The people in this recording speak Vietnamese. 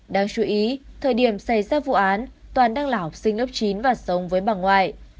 đáng chú ý thời điểm xảy ra vụ án toàn đang là học sinh lớp chín và sống với bằng ngoại